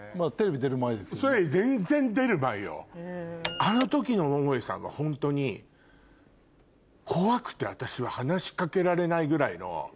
あの時の桃井さんはホントに怖くて私は話し掛けられないぐらいの。